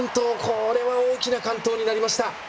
これは大きな完登になりました！